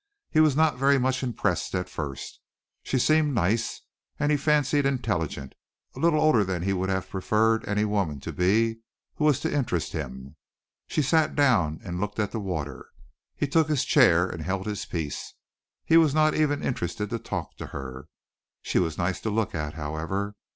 He was not very much impressed at first. She seemed nice and he fancied intelligent a little older than he would have preferred any woman to be who was to interest him. She sat down and looked at the water. He took his chair and held his peace. He was not even interested to talk to her. She was nice to look at, however.